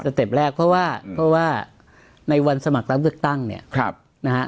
เต็ปแรกเพราะว่าเพราะว่าในวันสมัครรับเลือกตั้งเนี่ยครับนะฮะ